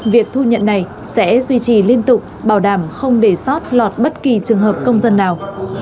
việc thu nhận này sẽ duy trì liên tục bảo đảm không để sót lọt bất kỳ trường hợp công dân nào